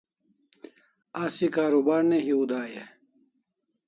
Asi karubar ne hiu dai e?